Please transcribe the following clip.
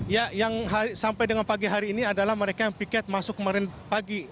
ya yang sampai dengan pagi hari ini adalah mereka yang piket masuk kemarin pagi